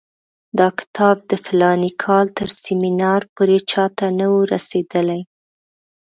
دا کتاب د فلاني کال تر سیمینار پورې چا ته نه وو رسېدلی.